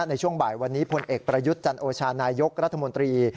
ในช่วงบ่ายวันนี้พลเอกประยุทธ์จันโอชานายกรัฐมนตรี